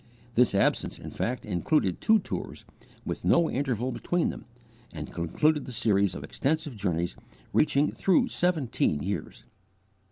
This absence in fact included two tours, with no interval between them, and concluded the series of extensive journeys reaching through seventeen years.